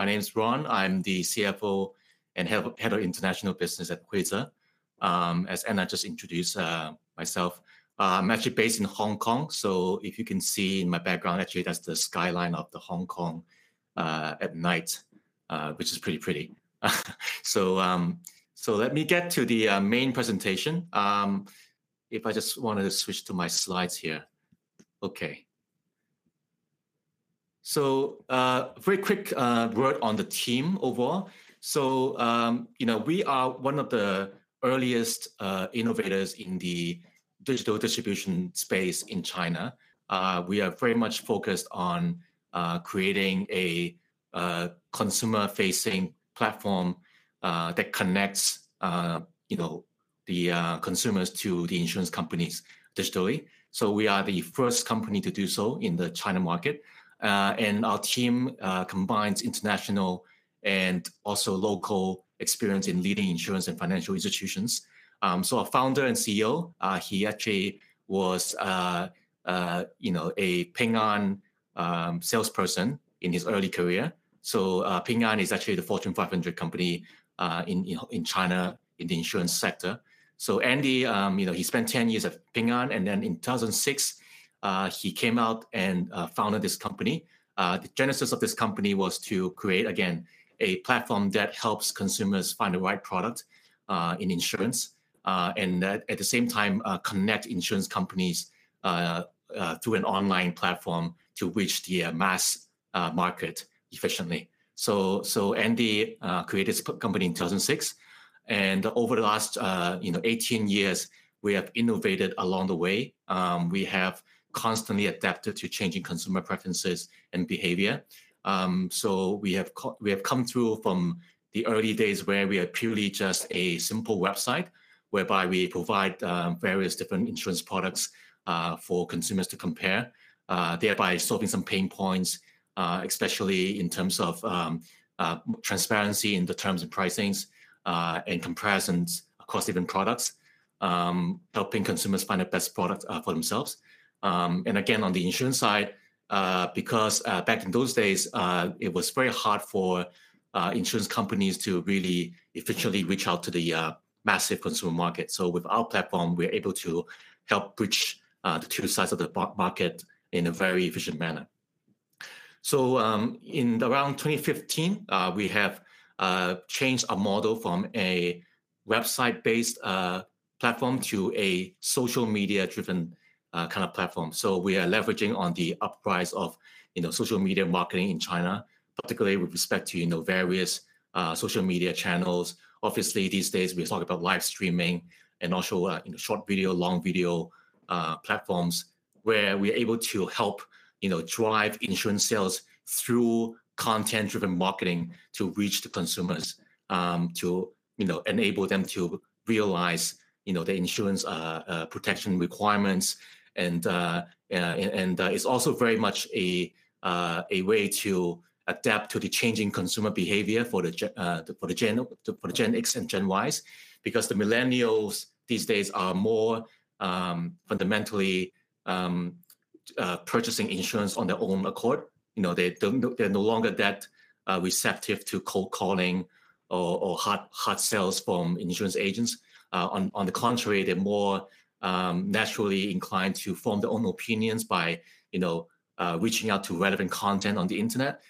My name is Ron. I'm the CFO and Head of International Business at Huize. As Anna just introduced myself, I'm actually based in Hong Kong. So if you can see in my background, actually, that's the skyline of Hong Kong at night, which is pretty pretty. So let me get to the main presentation. If I just wanted to switch to my slides here. Okay. So very quick word on the team overall. So we are one of the earliest innovators in the digital distribution space in China. We are very much focused on creating a consumer-facing platform that connects the consumers to the insurance companies digitally. So we are the first company to do so in the China market. And our team combines international and also local experience in leading insurance and financial institutions. So our founder and CEO, he actually was a Ping An salesperson in his early career. So Ping An is actually the Fortune 500 company in China in the insurance sector. So Andy, he spent 10 years at Ping An. And then in 2006, he came out and founded this company. The genesis of this company was to create, again, a platform that helps consumers find the right product in insurance. And at the same time, connect insurance companies through an online platform to reach the mass market efficiently. So Andy created this company in 2006. And over the last 18 years, we have innovated along the way. We have constantly adapted to changing consumer preferences and behavior. We have come through from the early days where we are purely just a simple website, whereby we provide various different insurance products for consumers to compare, thereby solving some pain points, especially in terms of transparency in the terms and pricings and comparisons across different products, helping consumers find the best product for themselves. Again, on the insurance side, because back in those days, it was very hard for insurance companies to really efficiently reach out to the massive consumer market. With our platform, we're able to help bridge the two sides of the market in a very efficient manner. In around 2015, we have changed our model from a website-based platform to a social media-driven kind of platform. We are leveraging on the uprise of social media marketing in China, particularly with respect to various social media channels. Obviously, these days, we talk about live streaming and also short video, long video platforms, where we are able to help drive insurance sales through content-driven marketing to reach the consumers, to enable them to realize the insurance protection requirements. It's also very much a way to adapt to the changing consumer behavior for the Gen X and Gen Ys, because the millennials these days are more fundamentally purchasing insurance on their own accord. They're no longer that receptive to cold calling or hard sales from insurance agents. On the contrary, they're more naturally inclined to form their own opinions by reaching out to relevant content on the internet.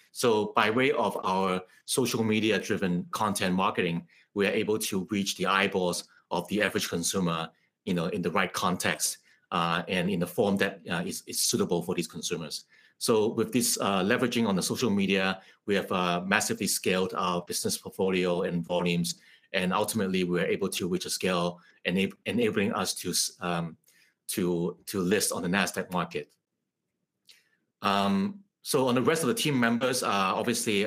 By way of our social media-driven content marketing, we are able to reach the eyeballs of the average consumer in the right context and in the form that is suitable for these consumers. So with this leveraging on the social media, we have massively scaled our business portfolio and volumes. Ultimately, we are able to reach a scale enabling us to list on the Nasdaq market. So on the rest of the team members, obviously,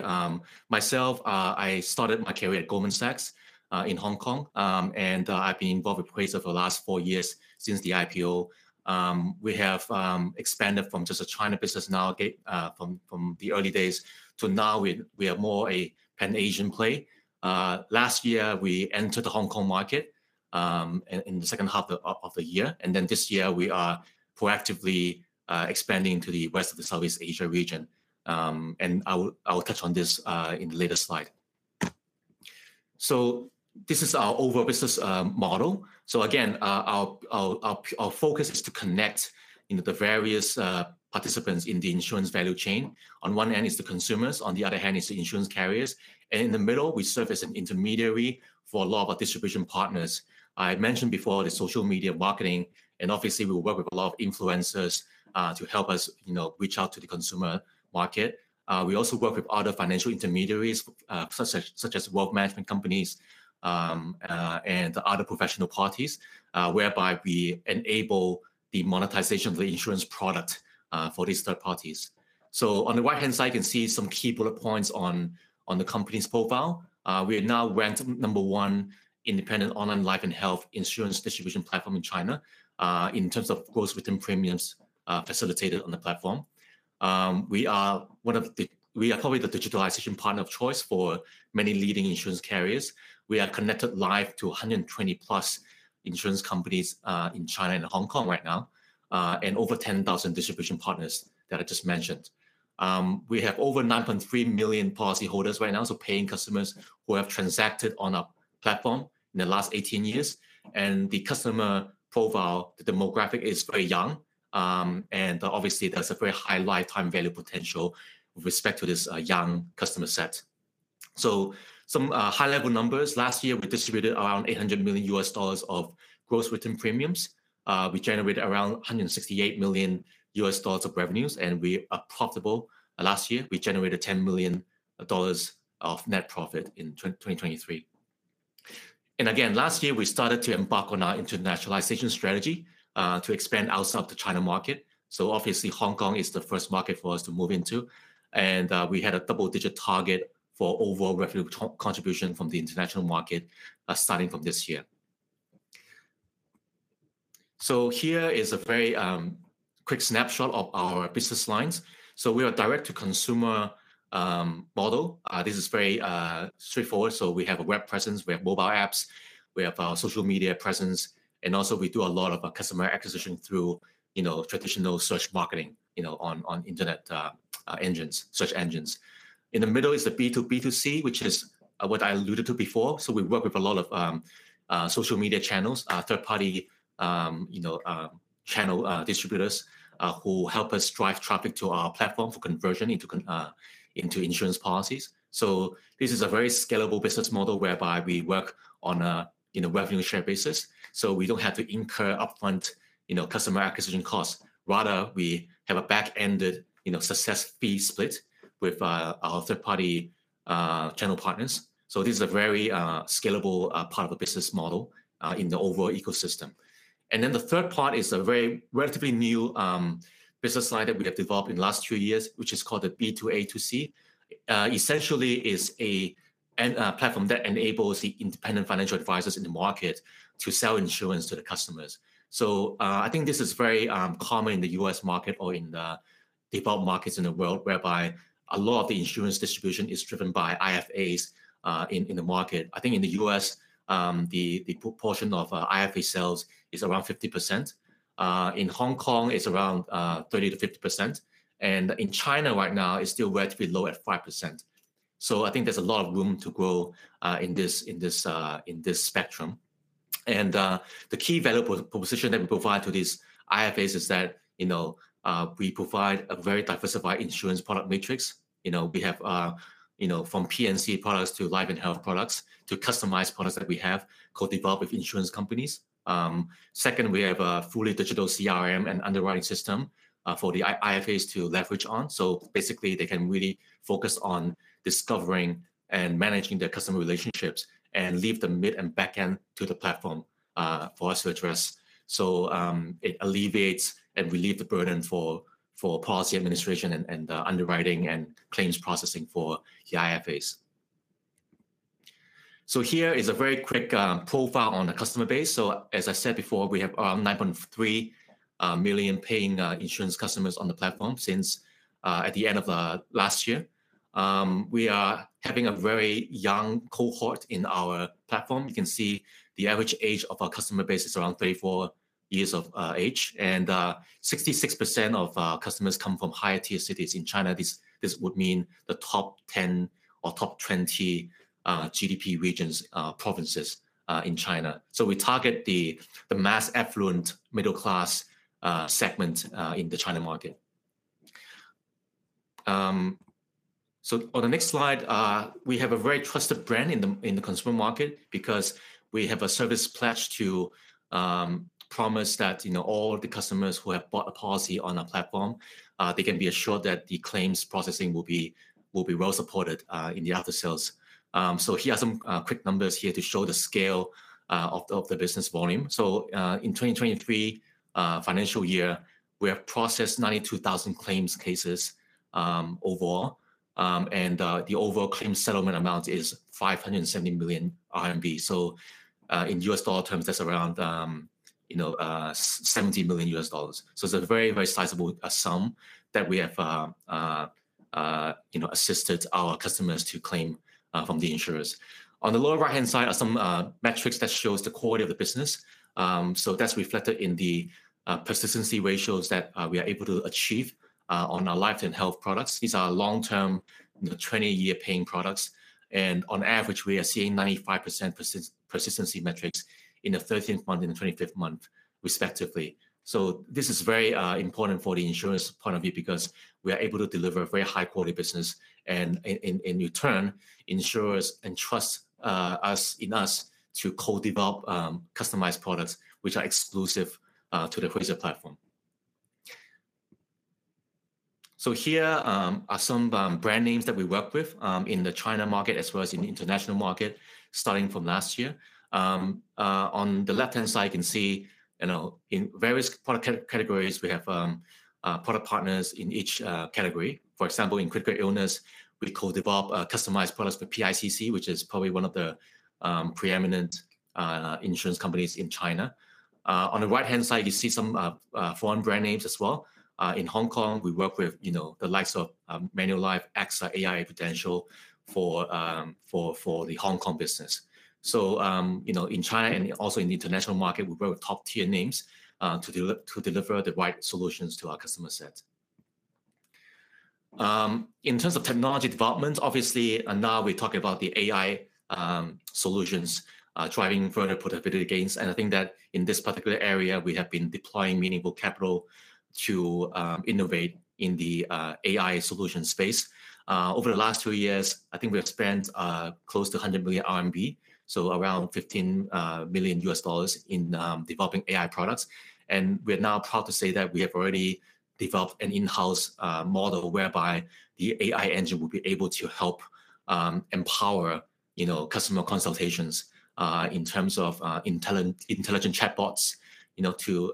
myself, I started my career at Goldman Sachs in Hong Kong. And I've been involved with Huize for the last four years since the IPO. We have expanded from just a China business now from the early days to now we are more a Pan-Asian play. Last year, we entered the Hong Kong market in the second half of the year. And then this year, we are proactively expanding to the rest of the Southeast Asia region. And I will touch on this in the later slide. So this is our overall business model. So again, our focus is to connect the various participants in the insurance value chain. On one end is the consumers. On the other hand is the insurance carriers. And in the middle, we serve as an intermediary for a lot of our distribution partners. I mentioned before the social media marketing. And obviously, we work with a lot of influencers to help us reach out to the consumer market. We also work with other financial intermediaries, such as wealth management companies and other professional parties, whereby we enable the monetization of the insurance product for these third parties. So on the right-hand side, you can see some key bullet points on the company's profile. We are now ranked number one independent online life and health insurance distribution platform in China in terms of gross written premiums facilitated on the platform. We are probably the digitalization partner of choice for many leading insurance carriers. We are connected live to 120+ insurance companies in China and Hong Kong right now, and over 10,000 distribution partners that I just mentioned. We have over 9.3 million policyholders right now, so paying customers who have transacted on our platform in the last 18 years. The customer profile, the demographic is very young. And obviously, there's a very high lifetime value potential with respect to this young customer set. Some high-level numbers. Last year, we distributed around $800 million of gross written premiums. We generated around $168 million of revenues. We are profitable. Last year, we generated $10 million of net profit in 2023. Again, last year, we started to embark on our internationalization strategy to expand outside of the China market. Obviously, Hong Kong is the first market for us to move into. We had a double-digit target for overall revenue contribution from the international market starting from this year. Here is a very quick snapshot of our business lines. We are a direct-to-consumer model. This is very straightforward. We have a web presence. We have mobile apps. We have a social media presence. Also, we do a lot of customer acquisition through traditional search marketing on internet engines, search engines. In the middle is the B2B2C, which is what I alluded to before. We work with a lot of social media channels, third-party channel distributors who help us drive traffic to our platform for conversion into insurance policies. This is a very scalable business model whereby we work on a revenue share basis. So we don't have to incur upfront customer acquisition costs. Rather, we have a back-ended success fee split with our third-party channel partners. So this is a very scalable part of the business model in the overall ecosystem. And then the third part is a very relatively new business line that we have developed in the last two years, which is called the B2A2C. Essentially, it's a platform that enables the independent financial advisors in the market to sell insurance to the customers. So I think this is very common in the U.S. market or in the default markets in the world, whereby a lot of the insurance distribution is driven by IFAs in the market. I think in the U.S., the proportion of IFA sales is around 50%. In Hong Kong, it's around 30%-50%. And in China right now, it's still relatively low at 5%. So I think there's a lot of room to grow in this spectrum. The key value proposition that we provide to these IFAs is that we provide a very diversified insurance product matrix. We have from P&C products to life and health products to customized products that we have co-developed with insurance companies. Second, we have a fully digital CRM and underwriting system for the IFAs to leverage on. So basically, they can really focus on discovering and managing their customer relationships and leave the mid and back end to the platform for us to address. So it alleviates and relieves the burden for policy administration and underwriting and claims processing for the IFAs. So here is a very quick profile on the customer base. So as I said before, we have around 9.3 million paying insurance customers on the platform since at the end of last year. We are having a very young cohort in our platform. You can see the average age of our customer base is around 34 years of age. 66% of our customers come from higher-tier cities in China. This would mean the top 10 or top 20 GDP regions, provinces in China. We target the mass affluent middle-class segment in the China market. On the next slide, we have a very trusted brand in the consumer market because we have a service pledge to promise that all the customers who have bought a policy on our platform, they can be assured that the claims processing will be well supported in the after-sales. Here are some quick numbers here to show the scale of the business volume. In 2023 financial year, we have processed 92,000 claims cases overall. The overall claim settlement amount is 570 million RMB. So in US dollar terms, that's around $70 million. So it's a very, very sizable sum that we have assisted our customers to claim from the insurers. On the lower right-hand side are some metrics that show the quality of the business. So that's reflected in the persistency ratios that we are able to achieve on our life and health products. These are long-term, 20-year paying products. And on average, we are seeing 95% persistency metrics in the 13th month and the 25th month, respectively. So this is very important for the insurance point of view because we are able to deliver a very high-quality business. And in return, insurers entrust in us to co-develop customized products, which are exclusive to the Huize platform. So here are some brand names that we work with in the China market as well as in the international market, starting from last year. On the left-hand side, you can see in various product categories, we have product partners in each category. For example, in critical illness, we co-develop customized products for PICC, which is probably one of the preeminent insurance companies in China. On the right-hand side, you see some foreign brand names as well. In Hong Kong, we work with the likes of Manulife X, AIA, Prudential for the Hong Kong business. So in China and also in the international market, we work with top-tier names to deliver the right solutions to our customer set. In terms of technology development, obviously, now we're talking about the AI solutions driving further productivity gains. I think that in this particular area, we have been deploying meaningful capital to innovate in the AI solution space. Over the last two years, I think we have spent close to 100 million RMB, so around $15 million in developing AI products. We are now proud to say that we have already developed an in-house model whereby the AI engine will be able to help empower customer consultations in terms of intelligent chatbots to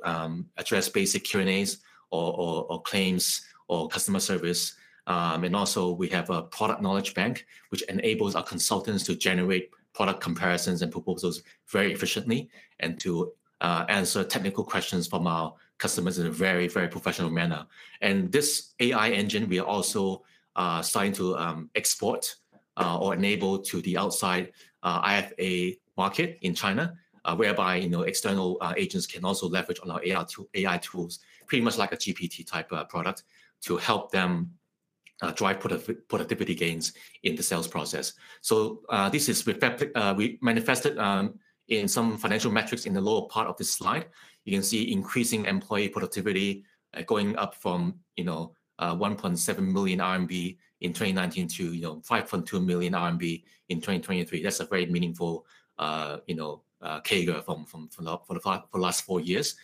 address basic Q&As or claims or customer service. Also, we have a product knowledge bank, which enables our consultants to generate product comparisons and proposals very efficiently and to answer technical questions from our customers in a very, very professional manner. This AI engine, we are also starting to export or enable to the outside IFA market in China, whereby external agents can also leverage on our AI tools, pretty much like a GPT-type product, to help them drive productivity gains in the sales process. So this is manifested in some financial metrics in the lower part of this slide. You can see increasing employee productivity going up from 1.7 million RMB in 2019 to 5.2 million RMB in 2023. That's a very meaningful figure for the last four years.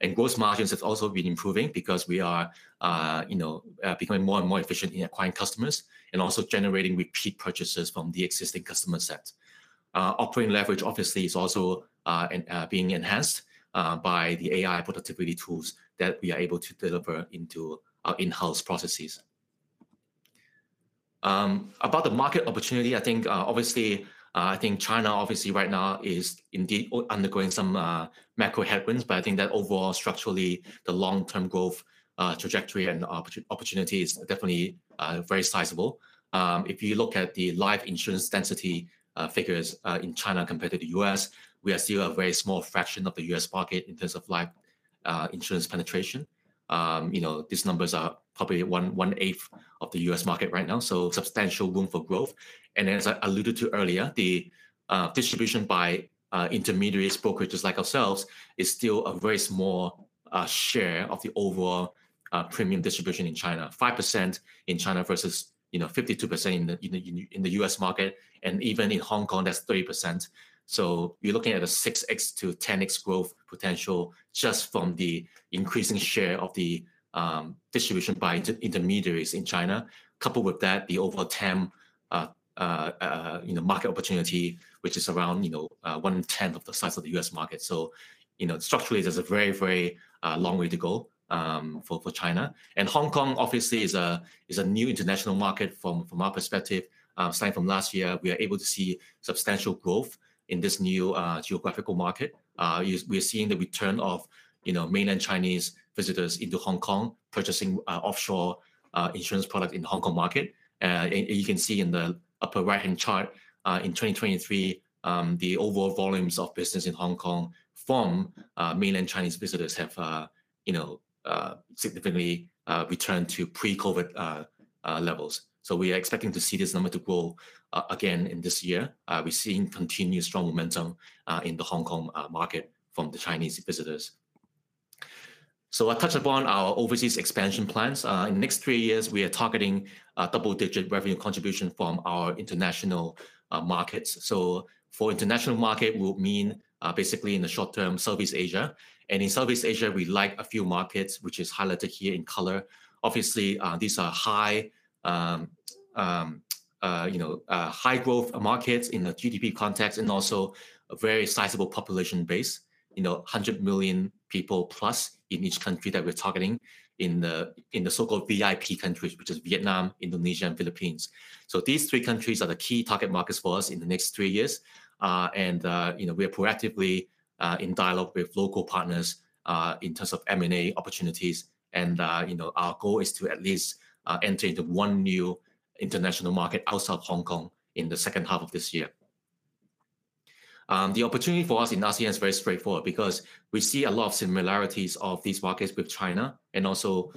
And gross margins have also been improving because we are becoming more and more efficient in acquiring customers and also generating repeat purchases from the existing customer set. Operating leverage, obviously, is also being enhanced by the AI productivity tools that we are able to deliver into our in-house processes. About the market opportunity, I think obviously, I think China obviously right now is indeed undergoing some macro headwinds. But I think that overall, structurally, the long-term growth trajectory and opportunity is definitely very sizable. If you look at the life insurance density figures in China compared to the U.S., we are still a very small fraction of the U.S. market in terms of life insurance penetration. These numbers are probably one-eighth of the U.S. market right now. So, substantial room for growth. And as I alluded to earlier, the distribution by intermediary brokers just like ourselves is still a very small share of the overall premium distribution in China, 5% in China versus 52% in the U.S. market. And even in Hong Kong, that's 30%. So you're looking at a 6x to 10x growth potential just from the increasing share of the distribution by intermediaries in China. Coupled with that, the overall TAM market opportunity, which is around one-tenth of the size of the U.S. market. So structurally, there's a very, very long way to go for China. And Hong Kong, obviously, is a new international market from our perspective. Starting from last year, we are able to see substantial growth in this new geographical market. We are seeing the return of mainland Chinese visitors into Hong Kong purchasing offshore insurance products in the Hong Kong market. And you can see in the upper right-hand chart, in 2023, the overall volumes of business in Hong Kong from mainland Chinese visitors have significantly returned to pre-COVID levels. So we are expecting to see this number to grow again in this year. We're seeing continued strong momentum in the Hong Kong market from the Chinese visitors. So I touched upon our overseas expansion plans. In the next three years, we are targeting double-digit revenue contribution from our international markets. So for international market, we'll mean basically in the short term, Southeast Asia. And in Southeast Asia, we like a few markets, which is highlighted here in color. Obviously, these are high-growth markets in the GDP context and also a very sizable population base, 100 million people plus in each country that we're targeting in the so-called VIP countries, which are Vietnam, Indonesia, and Philippines. So these three countries are the key target markets for us in the next three years. And we are proactively in dialogue with local partners in terms of M&A opportunities. And our goal is to at least enter into one new international market outside of Hong Kong in the second half of this year. The opportunity for us in ASEAN is very straightforward because we see a lot of similarities of these markets with China and also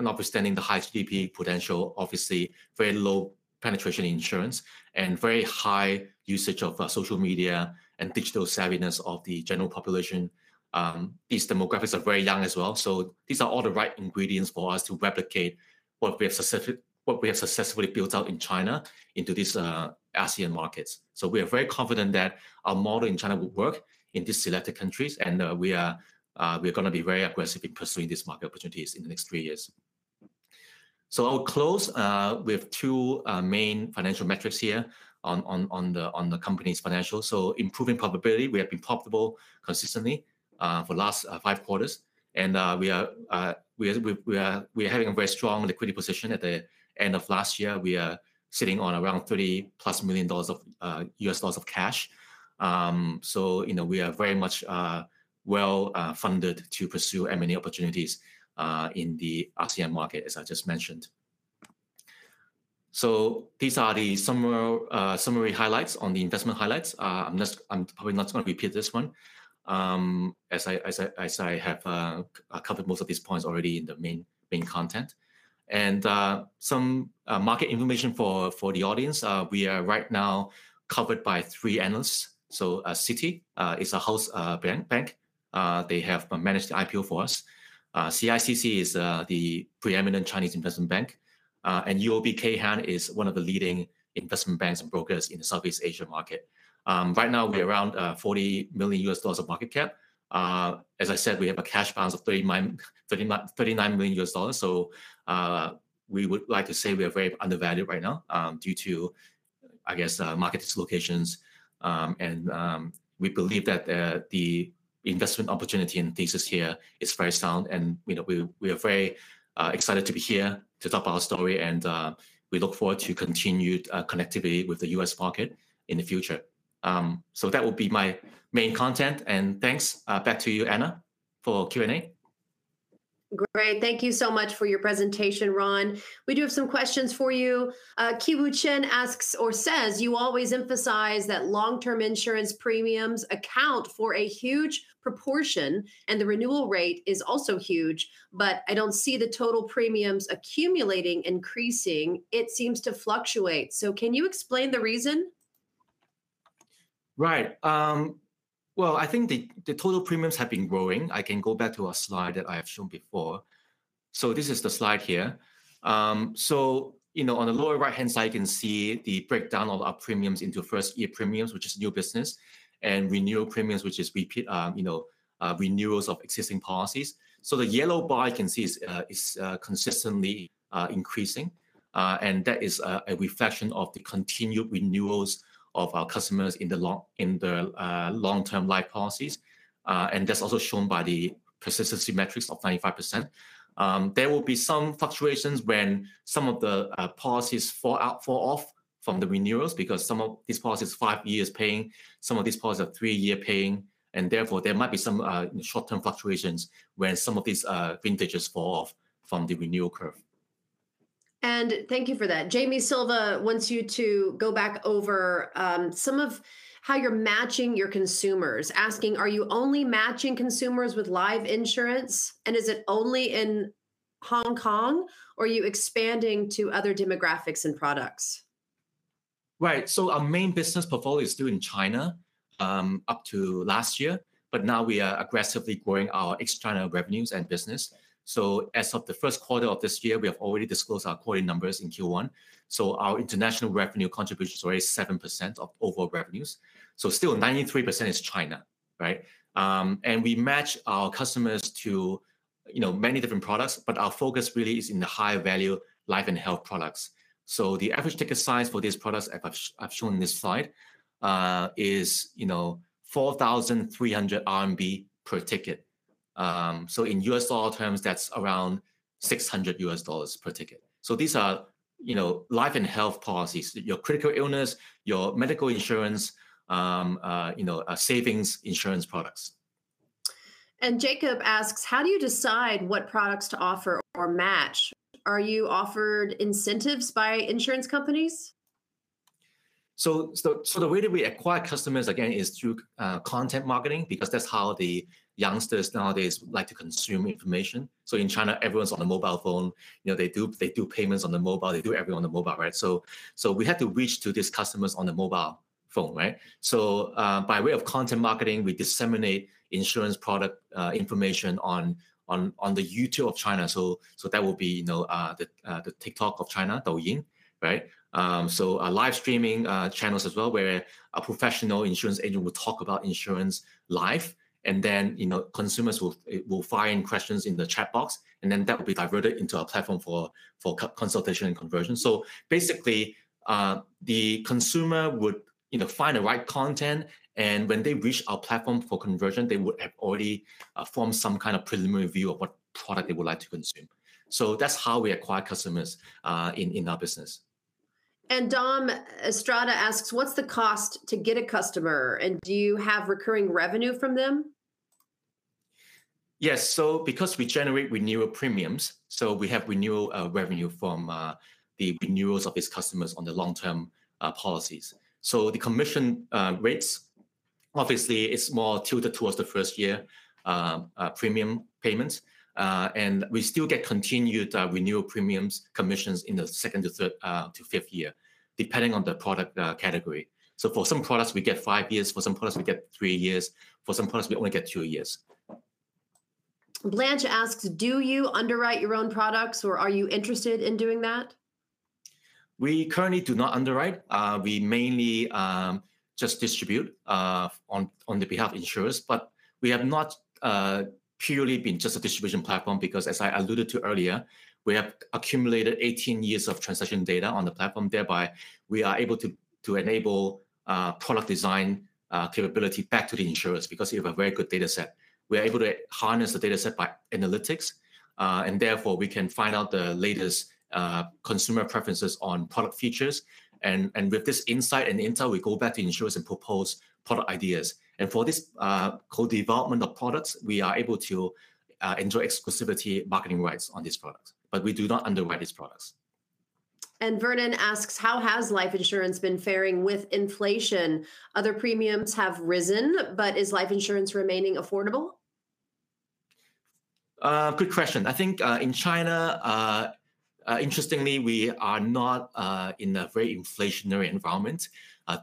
notwithstanding the high GDP potential, obviously, very low penetration insurance and very high usage of social media and digital savviness of the general population. These demographics are very young as well. These are all the right ingredients for us to replicate what we have successfully built out in China into these ASEAN markets. We are very confident that our model in China will work in these selected countries. We are going to be very aggressive in pursuing these market opportunities in the next three years. I'll close with two main financial metrics here on the company's financials. Improving profitability, we have been profitable consistently for the last five quarters. We are having a very strong liquidity position. At the end of last year, we are sitting on around $30+ million of cash. So we are very much well funded to pursue M&A opportunities in the ASEAN market, as I just mentioned. So these are the summary highlights on the investment highlights. I'm probably not going to repeat this one as I have covered most of these points already in the main content. Some market information for the audience, we are right now covered by three analysts. So Citi is a house bank. They have managed the IPO for us. CICC is the preeminent Chinese investment bank. And UOB Kay Hian is one of the leading investment banks and brokers in the Southeast Asia market. Right now, we are around $40 million of market cap. As I said, we have a cash balance of $39 million. So we would like to say we are very undervalued right now due to, I guess, market dislocations. And we believe that the investment opportunity and thesis here is very sound. And we are very excited to be here to talk about our story. And we look forward to continued connectivity with the US market in the future. So that will be my main content. And thanks. Back to you, Anna, for Q&A. Great. Thank you so much for your presentation, Ron. We do have some questions for you. Ki Woo Chen asks or says, "You always emphasize that long-term insurance premiums account for a huge proportion, and the renewal rate is also huge. But I don't see the total premiums accumulating, increasing. It seems to fluctuate." So can you explain the reason? Right. Well, I think the total premiums have been growing. I can go back to a slide that I have shown before. This is the slide here. On the lower right-hand side, you can see the breakdown of our premiums into first-year premiums, which is new business, and renewal premiums, which is renewals of existing policies. The yellow bar, you can see, is consistently increasing. That is a reflection of the continued renewals of our customers in the long-term life policies. That's also shown by the persistency metrics of 95%. There will be some fluctuations when some of the policies fall off from the renewals because some of these policies are 5-year paying. Some of these policies are 3-year paying. Therefore, there might be some short-term fluctuations when some of these vintages fall off from the renewal curve. Thank you for that. Jamie Silva wants you to go back over some of how you're matching your consumers, asking, "Are you only matching consumers with life insurance? And is it only in Hong Kong? Or are you expanding to other demographics and products?" Right. So our main business portfolio is still in China up to last year. But now we are aggressively growing our overseas revenues and business. So as of the first quarter of this year, we have already disclosed our quarterly numbers in Q1. So our international revenue contribution is already 7% of overall revenues. So still 93% is China, right? And we match our customers to many different products. But our focus really is in the high-value life and health products. So the average ticket size for these products, as I've shown in this slide, is 4,300 RMB per ticket. So in US dollar terms, that's around $600 per ticket. So these are life and health policies, your critical illness, your medical insurance, savings insurance products. And Jacob asks, "How do you decide what products to offer or match? Are you offered incentives by insurance companies?" So the way that we acquire customers, again, is through content marketing because that's how the youngsters nowadays like to consume information. So in China, everyone's on a mobile phone. They do payments on the mobile. They do everything on the mobile, right? So we have to reach to these customers on the mobile phone, right? So by way of content marketing, we disseminate insurance product information on the YouTube of China. So that will be the TikTok of China, Douyin, right? So live streaming channels as well where a professional insurance agent will talk about insurance live. And then consumers will find questions in the chat box. And then that will be diverted into a platform for consultation and conversion. So basically, the consumer would find the right content. And when they reach our platform for conversion, they would have already formed some kind of preliminary view of what product they would like to consume. So that's how we acquire customers in our business. And Dom Estrada asks, "What's the cost to get a customer? And do you have recurring revenue from them?" Yes. So because we generate renewal premiums, so we have renewal revenue from the renewals of these customers on the long-term policies. So the commission rates, obviously, it's more tilted towards the first-year premium payments. And we still get continued renewal premiums commissions in the second to fifth year, depending on the product category. So for some products, we get five years. For some products, we get 3 years. For some products, we only get 2 years. Blanche asks, "Do you underwrite your own products? Or are you interested in doing that?" We currently do not underwrite. We mainly just distribute on the behalf of insurers. But we have not purely been just a distribution platform because, as I alluded to earlier, we have accumulated 18 years of transaction data on the platform. Thereby, we are able to enable product design capability back to the insurers because we have a very good data set. We are able to harness the data set by analytics. And therefore, we can find out the latest consumer preferences on product features. And with this insight and intel, we go back to insurers and propose product ideas. And for this co-development of products, we are able to enjoy exclusivity marketing rights on these products. We do not underwrite these products. Vernon asks, "How has life insurance been faring with inflation? Other premiums have risen. But is life insurance remaining affordable?" Good question. I think in China, interestingly, we are not in a very inflationary environment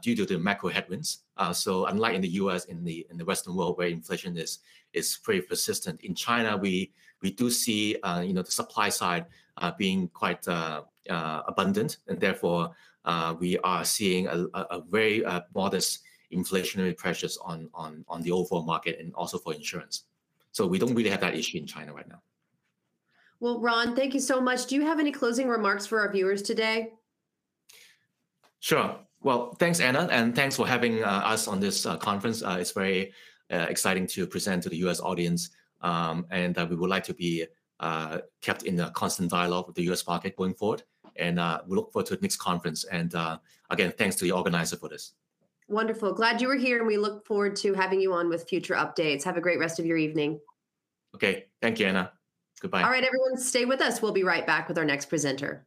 due to the macro headwinds. Unlike in the U.S., in the Western world, where inflation is pretty persistent, in China, we do see the supply side being quite abundant. And therefore, we are seeing very modest inflationary pressures on the overall market and also for insurance. We don't really have that issue in China right now. Well, Ron, thank you so much. Do you have any closing remarks for our viewers today? Sure. Well, thanks, Anna. And thanks for having us on this conference. It's very exciting to present to the U.S. audience. We would like to be kept in constant dialogue with the U.S. market going forward. We look forward to the next conference. Again, thanks to the organizer for this. Wonderful. Glad you were here. We look forward to having you on with future updates. Have a great rest of your evening. Okay. Thank you, Anna. Goodbye. All right, everyone, stay with us. We'll be right back with our next presenter.